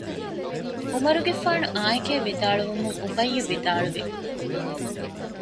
ޢުމަރުގެފާނު އާނއެކޭ ވިދާޅުވުމުން އުބައްޔު ވިދާޅުވި